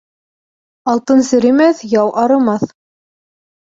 Алтын серемәҫ, яу арымаҫ.